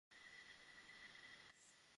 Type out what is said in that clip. এটা আমি নিজের ইচ্ছায় করেছি।